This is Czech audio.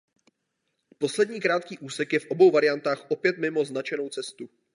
Poslední krátký úsek je v obou variantách opět mimo značenou cestu.